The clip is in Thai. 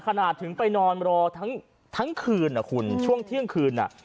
ถึงไปนอนรอทั้งคืนอ่ะคุณช่วงเที่ยงคืนอ่ะ